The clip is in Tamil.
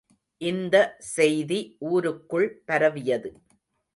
இந்த செய்தி ஊருக்குள் பரவியது.